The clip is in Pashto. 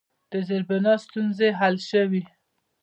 د زیربنا ستونزې حل شوي؟